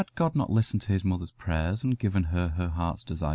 ] For had not God listened to his mother's prayers and given her her heart's desire?